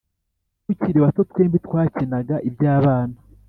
Tukiri bato twembi twakinaga ibyabana